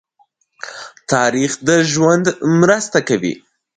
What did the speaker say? تاریخ د ژوند مرسته کوي.